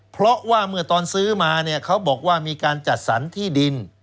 เพราะว่าเมื่อตอนซื้อมาเนี่ยเขาบอกว่ามีการจัดสรรที่ดิน